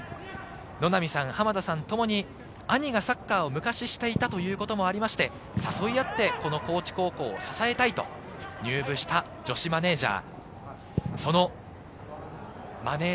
野並さん、濱田さんともに兄がサッカーを昔していたということもありまして、誘い合ってこの高知高校を支えたいと入部した女子マネージャー。